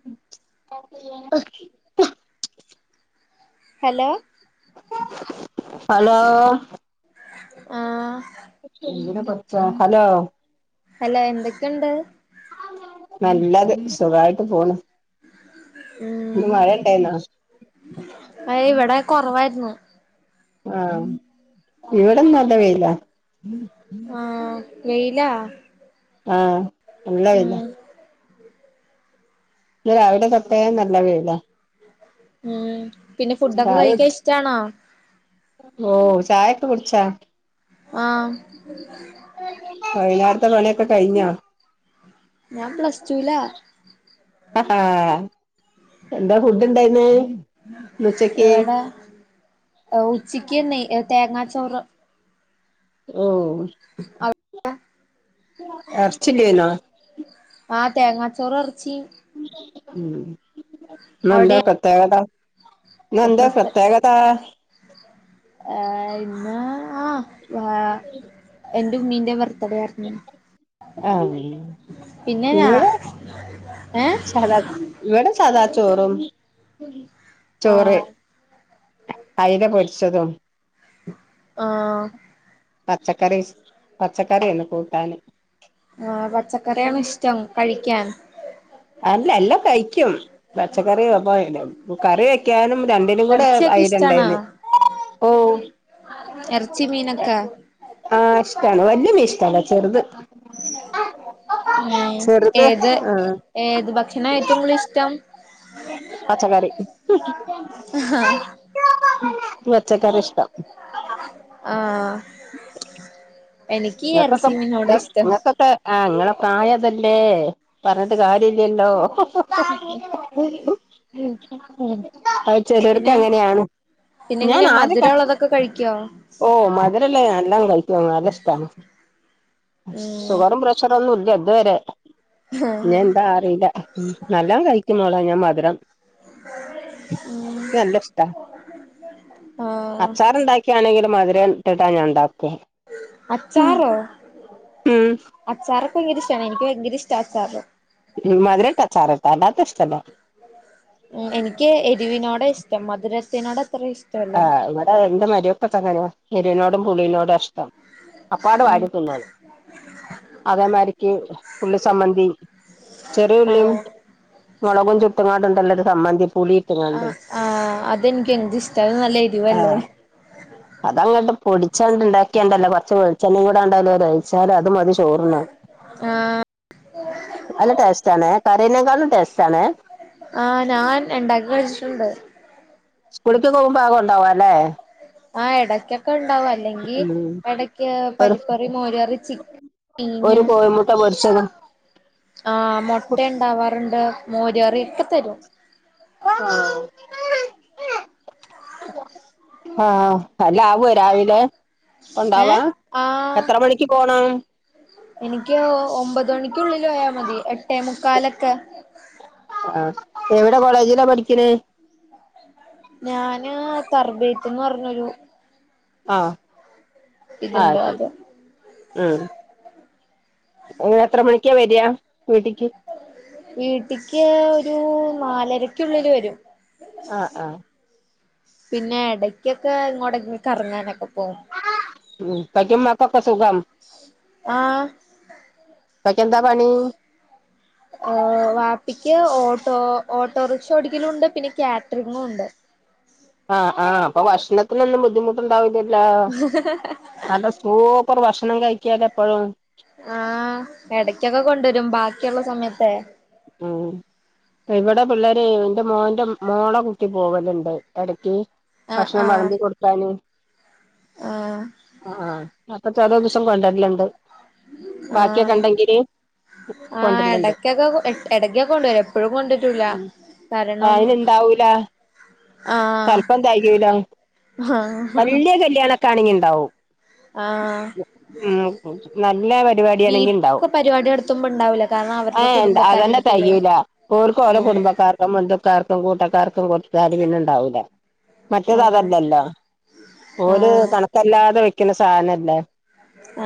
[inaudible] Hello hello ആഹ് എ പച്ച ഹലോ! ഹലോ എന്തൊക്കെയുണ്ട് നല്ലത് സുഖായിട്ട് പോണു ഉം ഇണ്ടായിന്നോ അ ഇവിടെ കുറവായിരുന്നു ആഹ ഇവിടന്ന നല്ല വെയിലാ ആ വെയിലാ ആഹ നല്ല വെയ്ലാ ഉം ഇ രാവിലെ തൊട്ടേ നല്ല വെയിലാ ഉം പിന്നെ ഫുഡൊക്കെ ചായ കഴിക്കാൻ കുടിച്ച് ഇഷ്ടാണോ ഓ ചായിക്ക കുടിച്ചാ ആ ഉം വൈകുന്നേരത്തെ പണിയൊക്കെ കഴിഞ്ഞാ ഞാൻ പ്ലസ് ടുലാ ഹ എന്താ ഫുഡ് ഇണ്ടായിര്ന്ന് ഇവിടെ ഉച്ചക്ക് തേങ്ങാച്ചോറ് ഉം അ എർച്ചില്ലേനോ ആ തേങ്ങാച്ചോറ് എർച്ചിം ഇന്ന് എന്താ അവിടെയാ പ്രത്യേകത ഇന്ന് എന്താ പ്രത്യേകത ആ.. ആ ഇന്ന് ആ എന്റെ ഉമ്മീന്റെ ബർത്ത്ഡേ ആണ് ഉ ആഹ് പിന്നെ ഞാആ ഏഹ് സദാ ഇവിടെ സദാ ചോറും ചോറ് ആഹ് അയല പൊരിച്ചതും ആഹ പച്ചക്കറി പച്ചക്കറിന്ന് കൂട്ടാന് ആ പച്ചക്കറിയാണ് ഇഷ്ടം കഴിക്കാൻ അല്ല എല്ലാം കയിക്കും പച്ചക്കറി അപ്പോ വേണ്ടേ കറി വെക്കാനും രണ്ടിനും കൂടെ ഇറച്ചിയൊക്കെ ആയി ഇഷ്ടാണോ രണ്ടായിന്ന് ഇറച്ചി മീനക്ക ആഹ് ഇഷ്ടമാണ് വല്ല്യ മീന് ഇഷ്ടല്ല ചെറുത് ആ ചെറുത് ഏത് ആഹ് ഏത് ഭക്ഷണം ഏറ്റവും കൂടുതൽ ഇഷ്ടം പച്ചക്കറി പച്ചക്കറി ഇഷ്ടം ആഹ എനിക്ക് എറച്ചി മിനോടെ ഇഷ്ടം ആഹ അങ്ങളെ പ്രായതല്ലേ പറഞ്ഞിട്ട് കാര്യ ഇല്ലല്ലോ ഹ ഹാ മ് ആ ചെലർക്ക്‌ പിന്നെ അങ്ങനെയാണ് ഞാൻ ആദ്യയോക്കെ ക്കോ ഓ മധുരല്ലേ എല്ലാം കഴിക്കുംവാ നല്ല ഇഷ്ടമാണ് ഉം ഷുഗറും പ്രഷറ് ഒന്നും ഇല്ല ഇതുവരെ ഇഞ് എന്താ അ അല്ല നല്ല കഴിക്കുന്നോളാ ഞാൻ മധുരം ക്ക് നല്ല ഇഷ്ട ആ അച്ചാറ് ഉണ്ടാക്കിയാണെങ്കിലും മധുരം ഇട്ടിട്ടാ ഞാൻ ഉണ്ടാക്കുക അച്ചാറോ ഉം അച്ചാറൊക്കെ ഭയങ്കര ഇഷ്ടാണ് എനിക്ക് ഭയങ്കര ഇഷ്ടാ അച്ചാറോ ഇ മധുരം ഇട്ടാ അച്ചാറ് അല്ലാത്ത ഇഷ്ടല്ല ഉ എനിക്ക് എരിവിനോടാ ഇഷ്ടം മധുരത്തിനോട് അത്ര ഇഷ് ആഹ് ഇവിടെ എന്റെ മാരൊക്കൊക്കെ അങ്ങനെ യെരിവിനോടും പുളീനോടും ആ ഇഷ്ടം. അപ്പാട് വാരി തിന്നോളും. അതേമാരിക്ക് ഉള്ളി സംമ്മന്തിയും ചെറിയ ആ ഉള്ളിയും മുളകും ചുട്ടുങ്ങാട്ടണ്ടല്ലൊരു സമാന്തിപ്പൂളി ആ ആ അതെനിക്ക് എന്ത് ഇഷ്ട [unintelligible] ആഹ് അതങ്ങട്ട് പൊടിച്ചാണ്ട്ണ്ടാക്കിയണ്ടല്ല കുറച്ച് വെളിച്ചെണ്ണയും കൂടെ ണ്ടായല് ഴിച്ചാല് അത് മതി ചോറുണ്ണാൻ. ആഹ് [inaudible] നല്ല ടേസ്റ്റ് ആണ് കറിനേകാളും ടേസ്റ്റ് ആണ്. ആ് ഞാൻ എണ്ടാക്കെ കഴിച്ചിട്ടുണ്ട്. സ്കൂളിക്ക് പോകുമ്പോ അത് കൊണ്ടോവാം ലേ. ആഹ് എടയ്ക്കൊക്കെ ഉണ്ടാവും അല്ലെങ്കി ഉം ഇടക്ക് ഒരു പരിപ്പറി, മോര്കറി ഒരു കോയിമുട്ട പൊരിച്ചത് ആ മുട്ട ഉണ്ടാവാറുണ്ട് മോര്കറി ഇപ്പ തരും. [unintelligible] ആഹ എല്ലാവോ രാവിലെ. ഉണ്ടാവാ ഏഹ് ആഹ് എത്ര മണിക്ക് പോണം. എനിക്ക് ഒമ്പത് മണിക്കുള്ളില് പോയാ മതി എട്ടേ മുക്കാലൊക്കെ. ആ എവിടെ കോളേജിലാ പഠിക്കണേ? [inaudible] ഞാന് തർബീത്ത്ന്ന് പറഞ്ഞൊരു ആഹ് ഇതുണ്ട് ആശരി. അത് ഉം പിന്നെത്ര മണിക്കാ വരാ വീട്ടിക്ക്? വീട്ടിക്ക് ഒരു നാലരക്കുള്ളില് വരും. ആഹ് ആഹ് പിന്നെ എടയ്ക്കൊക്കെ ങ്ങോട്ടങ്കിലും കറങ്ങാനൊക്കെ പോകും. ഉം പ്പക്യുമ്മാക്കുക്കെസുഖം. ആഹ് പ്പാക്ക് എന്താ പണി? ഹ് വാപ്പിക്ക് ഓട്ടോ ഓട്ടോറിക്ഷ ഓടിക്കലൂണ്ട് പിന്നെ കാറ്റ്റിങ്ങും ഉണ്ട്. ആഹ് ആഹ് അപ്പൊ ഭക്ഷണത്തിനൊന്നും ബുദ്ധിമുട്ടുണ്ടാവുലല്ലോ? നല്ല സൂപ്പർ ഭക്ഷണം കഴിക്കാലോ എപ്പഴും? ആഹ് എടക്കൊക്കെ കൊണ്ടുരും ബാക്കിയുള്ള സമയത്തെ. ഉം ഇവിടെ പിള്ളേര്ന്റെ മോന്റെ മോളെ കുട്ടി പോകല്ണ്ട് എടക്ക് ആഹ് ഭക്ഷണം ആഹ് വെളമ്പി കൊടുക്കാന്. ആഹ് ആ അപ്പോ ചെലോ ദിസം കൊണ്ടര്ല്ണ്ട്. ആഹ് ആ കൊണ്ടരലുണ്ട് എടക്കെക്കെ കൊ എടയ്ക്കൊക്കെണ്ടരും എപ്പഴും കൊണ്ട് ഉം അയിന്ണ്ടാവൂല. ആഹ് ചെല്പം തെകയൂല ആഹ് വല്ല്യ കല്യാണൊക്കാണെങ്കി ണ്ടാവും. ആഹ നല്ല പരിപാടിയാണെങ്കി വീട്ടി ഉണ്ടാവും [inaudible] പരിപാടിനടത്തുമ്പോ ഇണ്ടാവൂല കാരണം അവർ ഏ അതന്നെ തെകയൂല. ഓർക്ക് ഓര്ടെ ആഹ് കുടുംബക്കാർക്കും, ബന്ധുക്കാർക്കും, കൂട്ടക്കാർക്കും കൊടുത്താൽ പിന്നെണ്ടാവൂല. മറ്റേത് ആഹ് അതല്ലല്ലോ ഓല് ആഹ് കണക്കല്ലാതെ വെക്ക്ണ സാധനല്ലേ.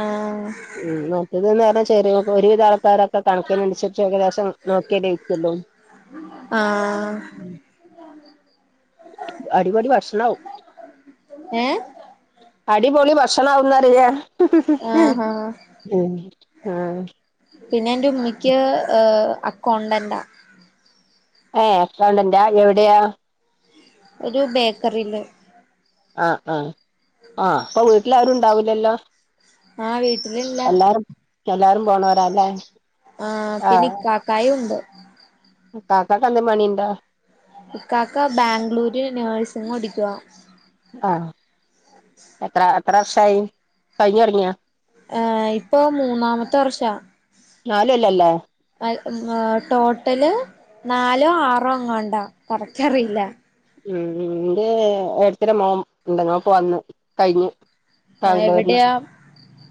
ആഹ് ഉം മറ്റേത് നേരം ചെറിയ ഒരുവിധ ആൾക്കാരൊക്കെ കണക്കിനനുസരി ഏകദേശം നോക്കിയല്ലേ വെക്ക്യള്ളൂ. ആഹ് [inaudible] അടിപൊളി ഭക്ഷണാവും ഏഹ് അടിപൊളി ഭക്ഷണവുന്നറിയാ ആഹ് ആഹ് ഉം ആഹ് പിന്നെ എന്റുമ്മിക്ക് ആഹ് അക്കൗണ്ടന്റ ഏ എക്കൗണ്ടന്റാ എവിടെയാ ഒരു ബേക്കറിയില് ആഹ് ആഹ് ആ അപ്പൊ വീട്ടിൽ ആരും ഉണ്ടാവൂലല്ലോ ആ വീട്ടിലില്ല എല്ലാരും എല്ലാരും പോണോ ആഹ് പിന്നെ ഇക്കാക്കായുണ്ട് കാക്കക്ക് എന്തേ പണിണ്ടേ ഇക്കാക്ക ബാംഗ്ലൂര് നേഴ്സിങ് പഠിക്കുവാ ആഹ് എത്ര എത്ര വർഷായി കയിഞ്ഞ് തുടങ്ങിയേ ഏ ഇപ്പോ മൂന്നാമത്തെ വർഷാ നാല് കൊല്ലല്ലേ ടോട്ടല് നാലോ ആറോ അങ്ങണ്ട കറക്റ്റ് അറിയില്ല ഉം ഉം ഇന്റെ ഏട്ടത്തിടെ മോൻ ണ്ട് ഓൻ ഇപ്പോവന്നു കയിഞ്ഞു ആ ബാംഗ്ലൂരിൽ എവിടെയാ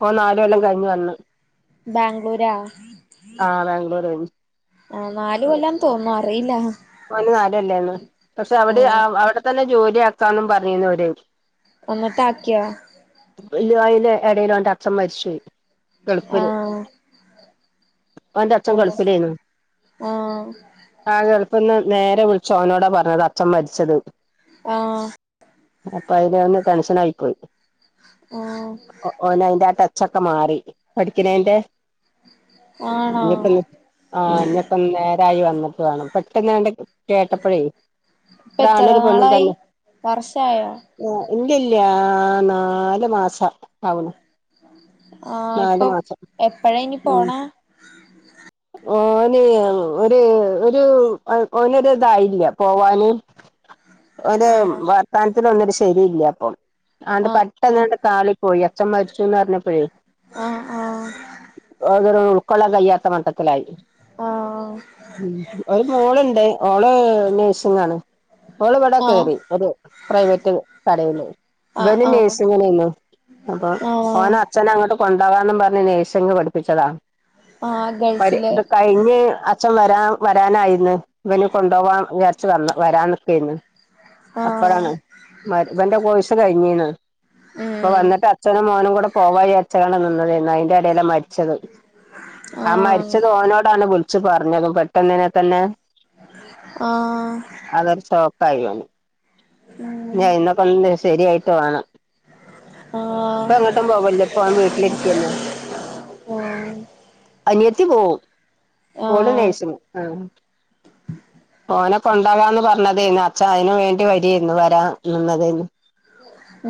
ഓൻ നാലുകൊല്ലം കയിഞ്ഞ് വന്ന് ബാംഗ്ലൂരാ ആഹ് ബാംഗ്ലൂർ ആ നാല് കൊല്ലാന്ന് തോന്നുന്നു അറിയില്ല ഓന് നാല് കൊല്ലെനി പക്ഷെ ആ അവിടെ അവിടെ തന്നെ ജോലി ആക്കാന്ന് പറഞ്ഞീനി ഒൽ ന്നിട്ട് ആക്കിയോ ഇല്ല അതിന്റെ എടിൽ ഓന്റെ അച്ഛൻ മരിച്ചോയി ആ ഗൾഫില് ആ ഓന്റെ അച്ഛൻ ഗൾഫിൽലേനി ആ ആ ഗൾഫിന്ന് നേരെ വിളിച്ച് ഓനോടാ പറഞ്ഞത് അച്ഛൻ മരിച്ചത് ആ അപ്പോ അയിലൊന്ന് ടെൻഷനായി പോയി മം ഓനയിന്റെ ആ ടെച്ചൊക്കെ മാറി പഠിക്കിനേന്റെ ആ ആണോ ഇഞ്ഞിപ്പം ആ ഇന്നിപ്പം നേരായി വന്നിട്ട് വേണം പെട്ടന്നാണ്ട് കേട്ടപ്പഴേ ഇപ്പ എത്ര ഒരാണും ഒരു പെണ്ണും നാളായി തന്നെ വർഷായോ ആ ഇല്ലല്ല്യ ആ നാലു മാസം ആവ്ണ് ആ ഇപ്പൊ എപ്പഴാ ഇനി ഉം പോണേ ഓന് ഒര് ഒരു ഓനെ ഒര് ഇതായില്ല പോവാന് [inaudible] ഓന്റേ ആഹ് വർത്താനത്തിലൊന്നും ശെരില്ല്യപ്പോ ആണ്ട് ആഹ് പെട്ടന്നണ്ട് കാളി പോയി അച്ഛൻ മരിച്ചൂന്നറഞ്ഞപ്പയേ ആഹ് ആഹ് ഓനൊരു ഉൾക്കൊളാൻ കയ്യാത്ത മട്ട ട്ടത്തിലായി ഉം ഒരു മോളുണ്ട് ഓള് നഴ്സിംഗ് ആണ് ഓള് ഇവിടെ ആഹ് ആഹ് കേറി ഒരു പ്രൈവറ്റ് കടേയില് ഇവെന് ആഹ് നഴ്സിങ്ങിനേനു അപ്പൊ ആഹ് ആഹ് ആഹ് ഓനെ അച്ഛനങ്ങോട്ട് കൊണ്ടവാന്നും പറഞ്ഞ് നേഴ്സിംഗ് പഠിപ്പിച്ചത ആഹ് പ ഗൾഫില് ഇത് കഴിഞ്ഞ് ആ ച്ചൻ വരാ വരാനായിന്ന് ഇവനെ കൊണ്ടോവ്വാൻ വിചാരിച്ച് വന്ന് വരാന്നിക്കേയ്ന്ന് അപ്പഴാണ് ആഹ് മ വന്റെ കോയ്സ് കഴിഞ്ഞീണ് പ്പൊ ഉം വന്നിട്ട് അച്ഛനും മോനും കൂടെ പോവ വിജരിച്ചണ് അതിന്റെ ഇടയിലാണ് മരിച്ചത് ആ ആഹ് മരിച്ചതോനോടാണ് വിള്ച്ച് പറഞ്ഞതും പെട്ടെന്നിനെ തന്നെ ആഹ അതൊരു ഷോക്കായി ഓന് ഉം ഇഞ്ഞ് അയിന്നൊക്കെ ഒന്ന് ശെര്യായിട്ട് വേണം ആഹ പ്പങ്ങട്ടും പോവല്ല്യ പ്പോൻ വീട്ടിലിരിക്കെന്ന്യാ ഉം അനിയത്തി പോവും, ഓള് ആഹ് നേഴ്സിംഗ് ആ ഓന കൊണ്ടാവാന്ന് പർഞ്ഞതേന്നു അച്ഛ അയിന് വേണ്ടി വര്യേന്നു ര നിന്നതേനു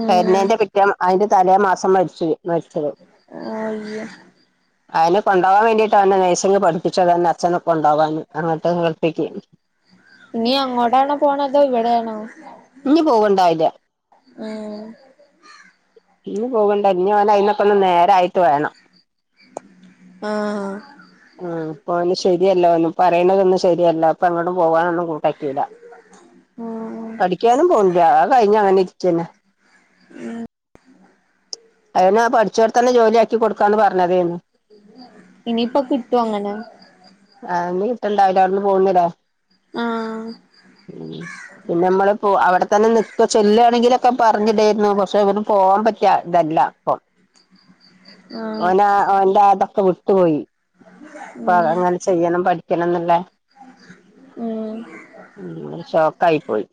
ഉം വെര്നേന്റെ പിറ്റേ അയിന്റെ തലേ മാസം മര്‌ചോയ്, മരിച്ചത് ആയ്യ. അയിനെ കൊണ്ടോവാ വേണ്ടീട്ടാണ് നേഴ്സിങ് പഠിപ്പിച്ചതെന്നെ അച്ഛനെ കൊണ്ടോവാന് അങ്ങോട്ട് ഗൾഫീക്കി നി അങ്ങോടാണോ പോണതോ ഇവിടേണോ? ഞ് പോവ്ണ്ടായില്ല്യ. ഏഹ്. ഞ് പോക്ണ്ട ഇഞ് ഓന് അയിന്നൊക്കൊന്ന് നേരായിട്ട് വേണം. ആഹ്. ആഹ് പ്പോന് ശെര്യല്ല ഓന് പറിണതൊന്നും ശെരിയല്ല പ്പെങ്ങട്ടും പോവാനൊ ന്നും കൂട്ടാക്കില്ല ഉം പഠിക്ക്യാനും പോണ്ല്ല്യ ആ കഴിഞ്ഞങ്ങനെ ഇരിക്കെന്നെ. അയിനാ പട്ച്ചോട്ത്തന്നെ ജോല്യാക്കി കൊട്ക്കാന്ന് പറഞ്ഞതേന്ന്. ഇനീപ്പൊ കിട്ടൊങ്ങനെ. ആഹ് നി കിട്ടണ്ടാവൂല്ല ഔട്ന്ന് പോന്ന്ലേ. ആഹ് പിന്നമ്മള് പോ അവടെതന്നെ നിക്ക ചെല്ലാണെങ്കി ക്കെ പറഞ്ഞിടേർന്നു പക്ഷെ വല് പോവാ പറ്റ്യ തല്ല പ്പൊ. ആഹ്. ഓനാ ഓൻ്റാതൊക്കെ വിട്ട് പോയി. ഉം. യ്യണം പഠിക്കണംന്നിള്ളേ. ഉം ഉം ഷോകായി പോയി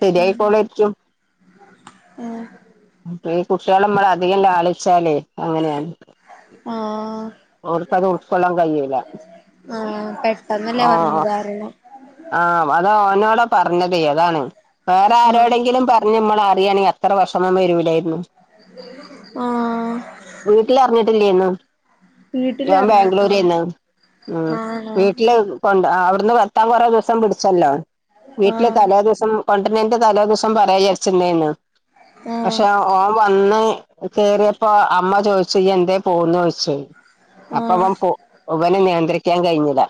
ശരിയായിക്കോ ളെര്ക്യും ഉം. ഈ കുട്ട്യളമ്മള് അധികം ലാളിച്ച ലേ അങ്ങനെയാണ്. ആഹ്. ഓർക്കത് ഉൾക്കൊള്ളാ കഴിയുല്ല ആഹ് പെട്ടെന്നല്ലേ പറഞ്ഞു ആഹ്. കാരണം ആഹ അത് ഓനോടാ പർഞ്ഞതേ അതാണ് ആഹ് വേറാരോടെങ്കിലും പർഞ്ഞ ഞ്ഞ് മ്മള് അറിയാണെ അത്രവഷമം വരുലേ മ് ആഹ് വീട്ട്ലർഞ്ഞിട്ടില്ലേന്നു. വീട്ടില് ജോ പറഞ്ഞു ആഹ് ബാംഗ്ലൂരേന്ന് ഉം ആണോ വീട്ട്ല് ഒണ്ട് അ അവ്ടുന്ന് വെത്താ കൊറേ ദിവസം പിടിച്ചല്ലോ, വീട്ടില് ആഹ് തലേ ദിവസം. കൊണ്ടര്നേന്റ് തലേ ദൊവസം പറ്യാ ജാര്ച്ച്ന്നേന്നു. ആഹ് പക്ഷെ ഓൻ വന്ന് കേറ്യപ്പോ അമ്മ ചോയ്ച്ച് ച്ച് യെന്തേ പോന്നോയ്ച്. ആഹ് അപ്പവം പോ വന് നിയന്ത്രിക്കാൻ കഴിഞ്ലാ.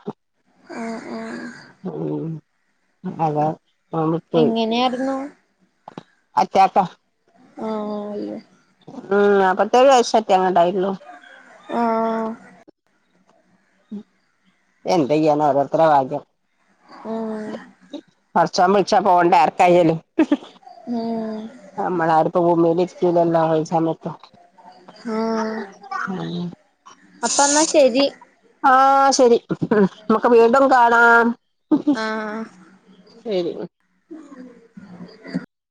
ആഹ് ആഹ് ഉം അതാ [unintelligible] പോയ്. ഞാരുന്നു. അറ്റാക്കാ. ആഹ. ഉം ന്നാപ്പത്തെേഴ് വയശ്ശറ്റ ങ്ങാണ്ടായിള്ളൂ. ആഹ്. എന്തെയ്യാനാ ഒരോരുത്തര ഭാഗ്യം. ഉം. പട്ചോം ബുൾച്ചാ പോണ്ടേ ആർക്കായാലും. ഉം. അമ്മളാരുപ്പ ഭൂമീലിര്കൂലല്ലോ [unintelligible] സമയത്ത്. ആഹ അപ്പ എന്നാ ശരി ആഹ ശരി ഉം ഇമ്മക്ക് വീണ്ടും കാണാം ആഹ് ശരി